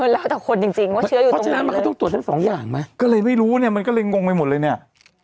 แล้วแต่คนจริงจริงว่าเชื้ออยู่เพราะฉะนั้นมันก็ต้องตรวจทั้งสองอย่างไหมก็เลยไม่รู้เนี่ยมันก็เลยงงไปหมดเลยเนี่ย